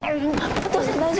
お父さん大丈夫！？